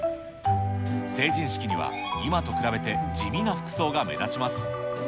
成人式には今と比べて地味な服装が目立ちます。